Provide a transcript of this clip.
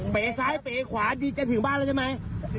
เปะซ้ายเปะขวานมาย้อนถึงบ้านหรือเปล่า